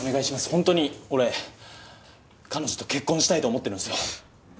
本当に俺彼女と結婚したいと思ってるんですよ。